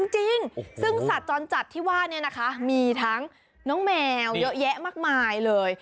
จริงซึ่งสัตว์จรจัดที่ว่าเนี่ยนะคะมีทั้งน้องแมวเยอะแยะมากมายเลย